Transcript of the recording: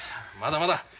まだまだ。